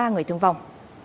ba người tử vong